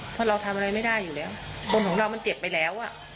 เพราะเราทำอะไรไม่ได้อยู่แล้วคนของเรามันเจ็บไปแล้ว